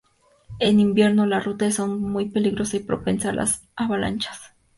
En invierno, la ruta es aún muy peligrosa y propensa a las avalanchas.